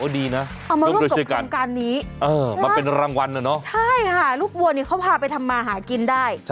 ดีนะเอามาร่วมกับทำการนี้มาเป็นรางวัลเนอะใช่ค่ะลูกวัวเนี่ยเขาพาไปทำมาหากินได้